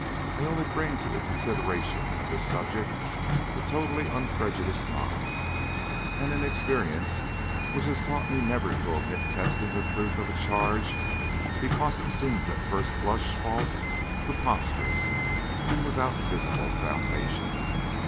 I only bring to the consideration of this subject a totally unprejudiced mind and an experience which has taught me never to omit testing the truth of a charge because it seems at first blush false, preposterous, and without visible foundation.